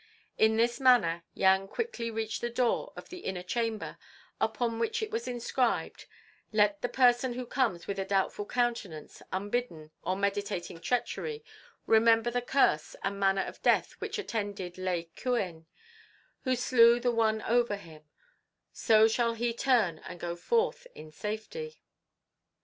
In this manner Yang quickly reached the door of the inner chamber upon which was inscribed: "Let the person who comes with a doubtful countenance, unbidden, or meditating treachery, remember the curse and manner of death which attended Lai Kuen, who slew the one over him; so shall he turn and go forth in safety."